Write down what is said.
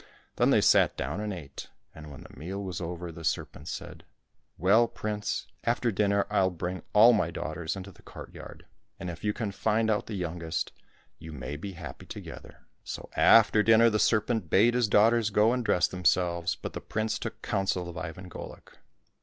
Then they sat down and ate, and when the meal was over the serpent said, " Well, prince, after dinner I'll bring all my daughters into the courtyard, and if you can find out the youngest, you may be happy together." So after dinner the serpent bade his daughters go and dress themselves, but the prince took counsel of Ivan Golik.